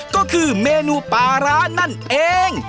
ก็คือเมนูปลาร้านั่นเอง